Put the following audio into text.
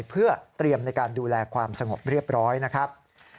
เพื่อเตรียมในการดูแลความสงบเรียบร้อยนะครับ